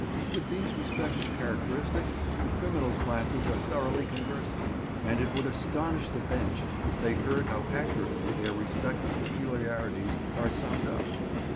With these respective characteristics, the criminal classes are thoroughly conversant, and it would astonish the Bench if they heard how accurately their respective peculiarities are summed up.